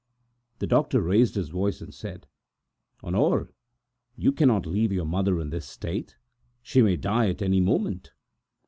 The doctor raised his voice and said: "Honore, you cannot leave your mother in this state; she may die at any moment."